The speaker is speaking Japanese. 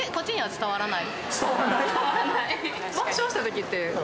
伝わらない。